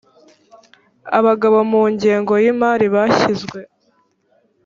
abagabo mu ngengo y imari byashyizwe